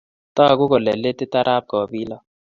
Tagu kole litit arap Kobilo.